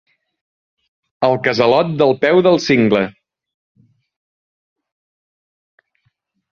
Al casalot del peu del cingle